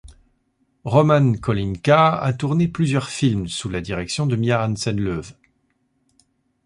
Roman Kolinka a tourné plusieurs films sous la direction de Mia Hansen-Løve.